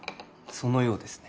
そのようですね